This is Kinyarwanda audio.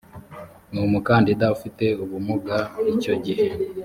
n umukandida ufite ubumuga icyo gihe